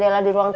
iya udah pipek